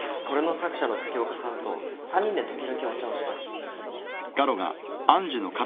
これの作者の月岡さんと３人で時々お茶をしたり